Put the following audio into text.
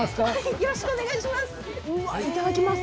よろしくお願いします。